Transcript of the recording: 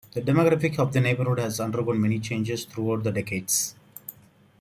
The demographics of the neighbourhood have undergone many changes throughout the decades.